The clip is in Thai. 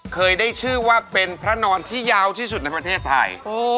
เคยได้ชื่อว่าเป็นพระนอนที่ยาวที่สุดในประเทศไทย